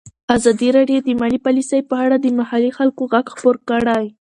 ازادي راډیو د مالي پالیسي په اړه د محلي خلکو غږ خپور کړی.